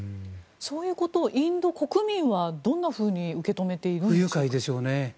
そういうことをインド国民はどんなふうに受け止めているんでしょうか。